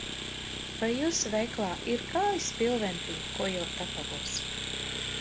Vai jūsu veikalā ir kāju spilventiņi, ko ielikt apavos?